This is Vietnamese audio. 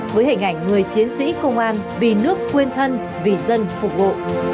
với hình ảnh người chiến sĩ công an vì nước quên thân vì dân phục vụ